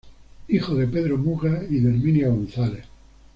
Hijo de Pedro Muga y de Herminia González.